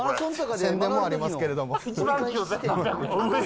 宣伝もありますけれども。